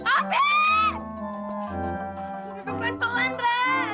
aduh gue keselan re